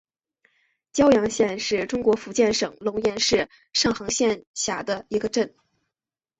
蛟洋镇是中国福建省龙岩市上杭县下辖的一个镇。